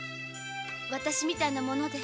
私みたいな者で。